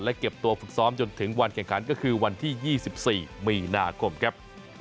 เก็บตัวฝึกซ้อมจนถึงวันแข่งขันก็คือวันที่๒๔มีนาคมครับ